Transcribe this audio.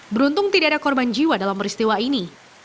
beruntung tidak ada korban jiwa dalam peristiwa ini